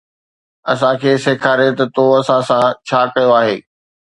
اسان کي سيکاري ته تو اسان سان ڇا ڪيو آهي